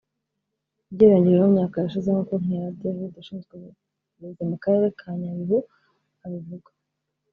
ugereranyije no mu myaka yashize nk’uko Nkera David ushinzwe uburezi mu Karere ka Nyabihu abivuga